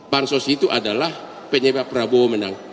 bang sos itu adalah penyebab prabowo menang